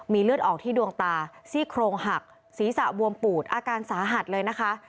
เลือดออกที่ดวงตาซี่โครงหักศีรษะบวมปูดอาการสาหัสเลยนะคะ